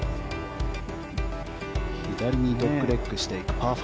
左にドッグレッグしていくパー５。